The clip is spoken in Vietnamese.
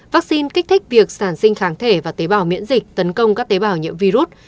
vaccine kích thích việc sản sinh kháng thể và tế bào miễn dịch tấn công các tế bào nhiễm virus